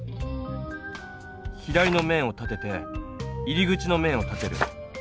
左の面を立てて入り口の面を立てる。